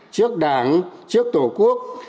trước đảng trước tổ quốc